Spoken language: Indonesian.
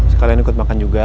sekalian ikut makan juga